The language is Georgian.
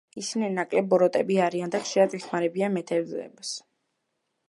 ისინი ნაკლებ ბოროტები არიან და ხშირად ეხმარებიან მეთევზეებს.